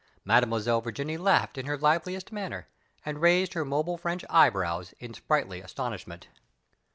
Mademoiselle Virginie laughed in her liveliest manner, and raised her mobile French eyebrows in sprightly astonishment.